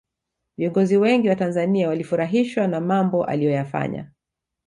viongozi wengi wa tanzania walifurahishwa na mambo aliyoyafanya